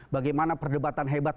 bagaimana perdebatan hebat